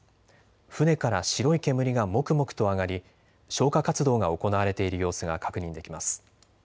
船から白い煙がもくもくと上がり消火活動が行われている様子が確認できます。